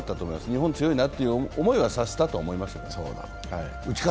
日本強いなという思いはさせたと思います。